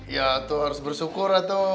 ya atutu harus bersyukur atutu